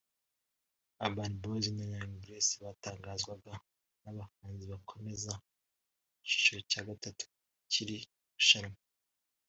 Urban Boyz na Young Grace batangazwaga nk’abahanzi bakomeza mu cyiciro cya gatatu cy’iri rushanwa